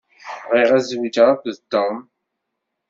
Bɣiɣ ad zewjeɣ akked Tom.